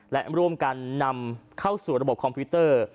และร่วมกันนำเข้าสู่ระบบคอมพิวเตอร์